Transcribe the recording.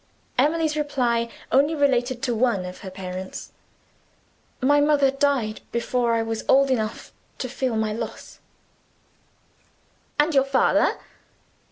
Emily's reply only related to one of her parents. "My mother died before I was old enough to feel my loss." "And your father?"